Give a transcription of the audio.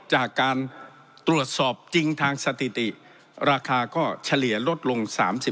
จากการตรวจสอบจริงทางสถิติราคาก็เฉลี่ยลดลง๓๐